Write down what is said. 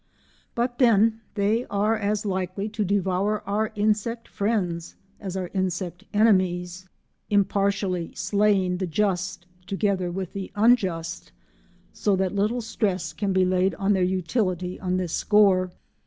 But then they are as likely to devour our insect friends as our insect enemies, impartially slaying the just together with the unjust, so that little stress can be laid on their utility on this score.